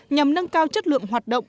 nhằm nâng cao chất lượng hoạt động